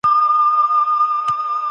مطالعه د انسان حوصله زیاتوي.